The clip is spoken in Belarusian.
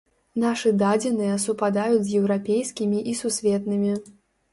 Нашы дадзеныя супадаюць з еўрапейскімі і сусветнымі.